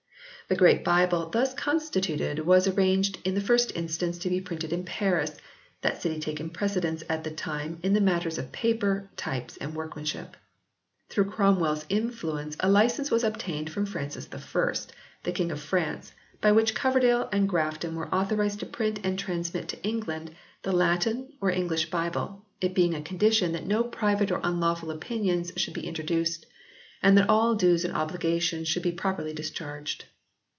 The Great Bible thus constituted was arranged in the first instance to be printed in Paris, that city taking precedence at that time in the matters of paper, types and workmanship. Through Cromwell s influence a licence was obtained from Francis I, the King of France, by which Coverdale and Grafton were authorised to print and transmit to England the Latin or the English Bible, it being a condition that no private or unlawful opinions should be introduced, and that all dues and obligations should be properly discharged.